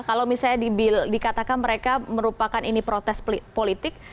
kalau misalnya dikatakan mereka merupakan ini protes politik